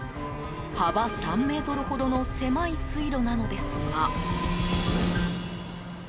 幅３ｍほどの狭い水路なのですが。